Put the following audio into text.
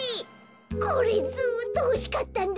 これずっとほしかったんだ。